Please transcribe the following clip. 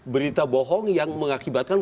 berita bohong yang mengakibatkan